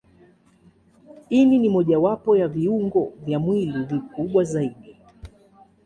Ini ni mojawapo wa viungo vya mwili vikubwa zaidi.